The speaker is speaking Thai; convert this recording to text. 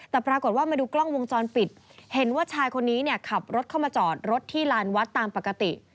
แต่ปรากฏว่ามาดูกล้องวงจรปิดเห็นว่าชายคนนี้เนี่ยขับรถเข้ามาจอดรถที่ลานวัดตามปกติ